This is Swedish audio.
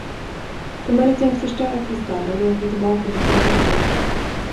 De hade tänkt förstöra kristallen och åka tillbaka till planeten.